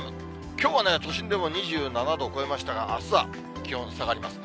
きょうは都心でも２７度を超えましたが、あすは気温下がります。